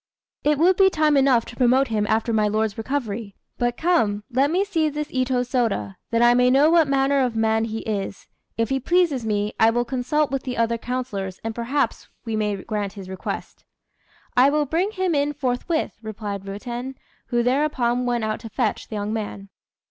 "It would be time enough to promote him after my lord's recovery. But come, let me see this Itô Sôda, that I may know what manner of man he is: if he pleases me, I will consult with the other councillors, and perhaps we may grant his request." "I will bring him in forthwith," replied Ruiten, who thereupon went out to fetch the young man.